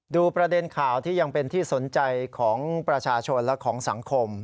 ดูประเด็นข่าวที่ยังเป็นที่สนใจของประชาชนและของสังคม